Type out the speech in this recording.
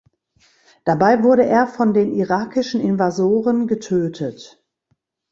Dabei wurde er von den irakischen Invasoren getötet.